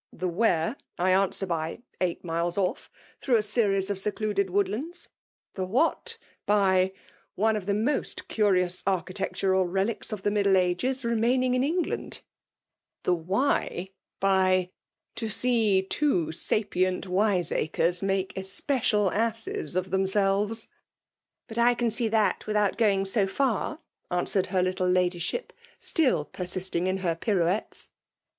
" The ' where* I answer by — eight miles off, ifarough a series of secluded woodknds ; the ' what ' by — one of the most curious areUtec* tural reliques of the Middle Ages remaining in England; the 'why' by — ^to see two sapient wiseacres make especial asses of themselvies. " But I can see that without going so far/* answered her little Ladyship, still persisting in lier ptTtmettee.